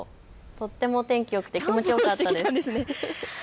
とっても天気がよくて気持ちがよかったです。